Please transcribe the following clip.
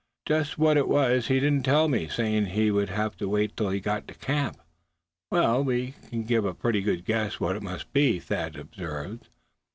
Just what it was he didn't try to tell me, saying it would have to keep till he got to camp." "Well, we can give a pretty good guess what it must be," Thad observed.